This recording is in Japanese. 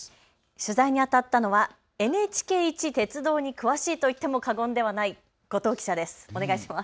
取材にあたったのはＮＨＫイチ鉄道に詳しいと言っても過言ではない後藤記者です。